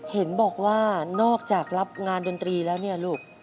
เห็นบอกว่านอกจากรับงานดนตรีแล้วเนี่ยลูก